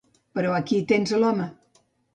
Però aquí tens l'home.